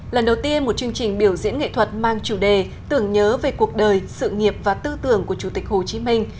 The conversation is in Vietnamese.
lần đầu tiên một chương trình biểu diễn nghệ thuật mang chủ đề tưởng nhớ về cuộc đời sự nghiệp và tư tưởng của chủ tịch hồ chí minh